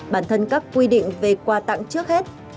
bản thân các quy định về quà tặng trước hết